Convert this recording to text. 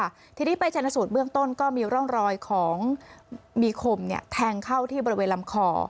ทีนี้ไปชนสูตรเบื้องต้นก็มีร่องรอยของมีคมเนี่ยแทงเข้าที่บริเวณลำคอ